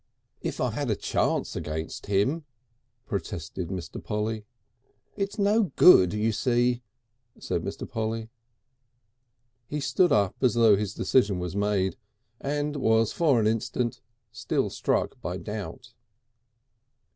"If I had a chance against him " protested Mr. Polly. "It's no Good, you see," said Mr. Polly. He stood up as though his decision was made, and was for an instant struck still by doubt.